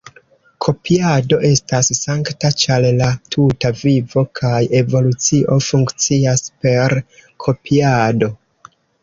Kopiado estas sankta ĉar la tuta vivo kaj evolucio funkcias per kopiado.